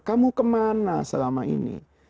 kamu kemana selama ini